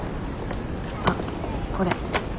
あっこれ。